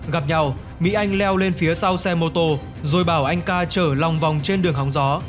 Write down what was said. gặp nhau mỹ anh leo lên phía sau xe mô tô rồi bảo anh ca chở lòng vòng trên đường hóng gió